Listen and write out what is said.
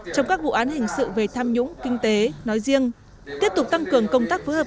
trong các vụ án hình sự về tham nhũng kinh tế nói riêng tiếp tục tăng cường công tác phối hợp